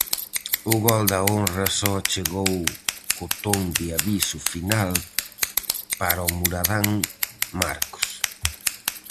O gol da honra só chegou co ton de aviso final para o muradán Marcos.